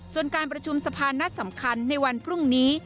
ส่วนการประชุมสะพานนัดสำคัญในวันพรุ่งนี้